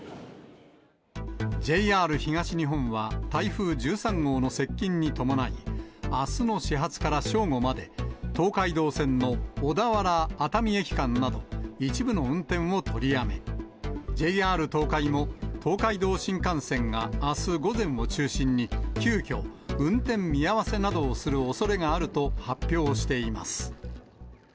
ＪＲ東日本は、台風１３号の接近に伴い、あすの始発から正午まで、東海道線の小田原・熱海駅間など、一部の運転を取りやめ、ＪＲ東海も東海道新幹線があす午前を中心に、急きょ、運転見合わせなどをするおそれがあると発表しています。